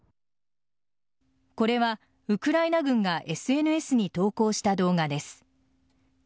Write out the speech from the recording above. これはウクライナ軍がＳＮＳに投稿した動画です。